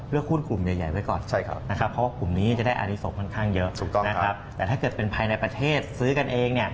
หุ้นกลุ่มใหญ่ไว้ก่อนนะครับเพราะว่ากลุ่มนี้จะได้อาริสกค่อนข้างเยอะถูกต้องนะครับแต่ถ้าเกิดเป็นภายในประเทศซื้อกันเองเนี่ย